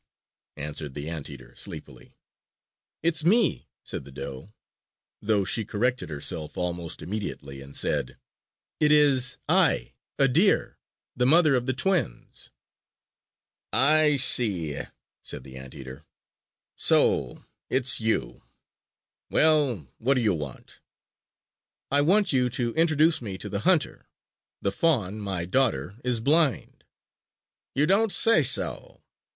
answered the Anteater sleepily. "It's me!" said the doe; though she corrected herself almost immediately, and said: "It is I a deer, the mother of the twins!" "I see," said the Anteater. "So it's you! Well, what do you want?" "I want you to introduce me to the hunter. The fawn, my daughter, is blind!" "You don't say so?